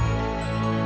aku mau ke rumah